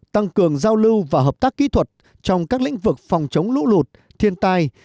tăng cường giao lưu và hợp tác kỹ thuật trong các lĩnh vực phòng chống lũ lụt thiên tai